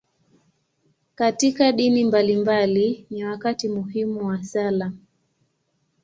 Katika dini mbalimbali, ni wakati muhimu wa sala.